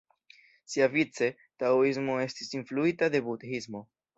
Siavice, taoismo estis influita de budhismo.